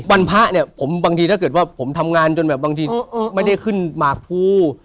พระเนี่ยบางทีถ้าเกิดว่าผมทำงานจนแบบบางทีไม่ได้ขึ้นหมากภู